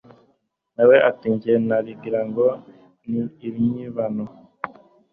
Na we ati jye nagira ngo ni inyibano!